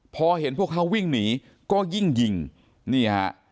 พอเห็นพวกเขาวิ่งหนีก็ยิ่งยิงนี่ฮะ